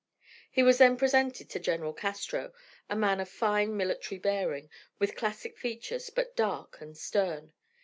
He was then presented to General Castro, a man of fine military bearing, with classic features, but dark and stern.